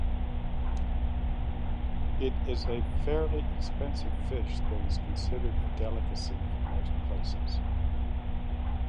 It is a fairly expensive fish that is considered a delicacy in most places.